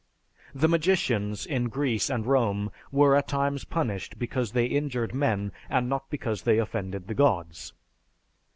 The magicians, in Greece and Rome, were at times punished because they injured men and not because they offended the gods.